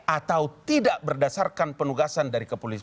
atau tidak berdasarkan penugasan dari kepolisian